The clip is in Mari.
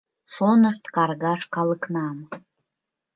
Шонышт каргаш калыкнам...